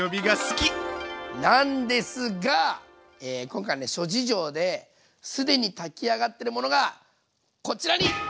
今回は諸事情で既に炊き上がってるものがこちらに！